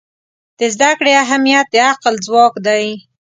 د زده کړې اهمیت د عقل ځواک دی.